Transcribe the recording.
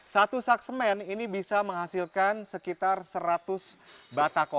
satu sak semen ini bisa menghasilkan sekitar seratus batako